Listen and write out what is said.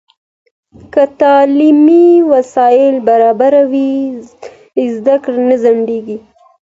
که تعلیمي وسایل برابر وي، زده کړه نه ځنډېږي.